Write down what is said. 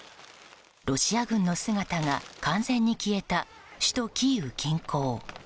ロシア軍の姿が完全に消えた首都キーウ近郊。